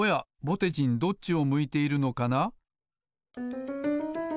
ぼてじんどっちを向いているのかな？